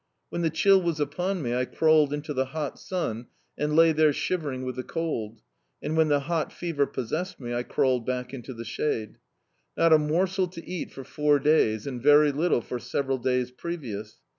When the chill was uptm me, I crawled into the hot sun, and lay there shivering with the cold; and when the hot fever possessed me, I crawled back into the shade. Not a morsel to eat for four days, and very little for several days previous.